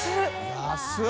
安い！